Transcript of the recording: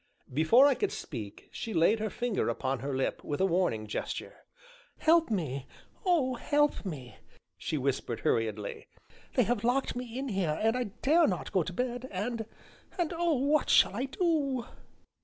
Before I could speak, she laid her finger upon her lip with a warning gesture. "Help me oh, help me!" she whispered hurriedly; "they have locked me in here, and I dare not go to bed, and and oh, what shall I do?"